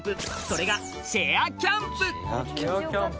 それがチェアキャンプ！